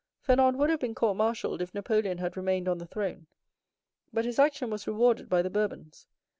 "Fernand would have been court martialed if Napoleon had remained on the throne, but his action was rewarded by the Bourbons.